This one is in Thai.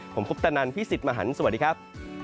ผมพุทธนันทร์พี่สิทธิ์มหันทร์สวัสดีครับ